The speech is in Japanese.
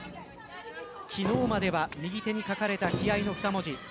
昨日までは右手に書かれた気合の２文字。